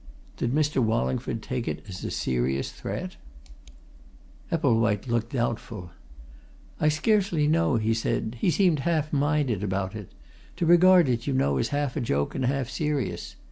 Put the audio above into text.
"Did Mr. Wallingford take it as a serious threat?" Epplewhite looked doubtful. "I scarcely know," he said. "He seemed half minded about it. To regard it, you know, as half a joke and half serious.